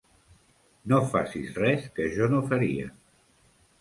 No facis res que jo no faria.